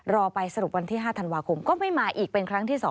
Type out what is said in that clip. รอไปสรุปวันที่๕ธันวาคมก็ไม่มาอีกเป็นครั้งที่๒